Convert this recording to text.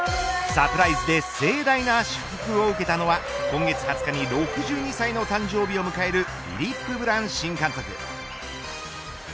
サプライズで盛大な祝福を受けたのは今月２０日に６２歳の誕生日を迎えるフィリップ・ブラン新監督。